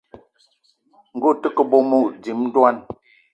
Ngue ute ke bónbô, dím ndwan